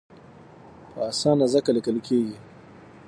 په اسانه ځکه لیکل کېږي.